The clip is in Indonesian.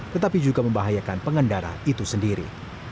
tetapi juga membahayakan pengendara itu sendiri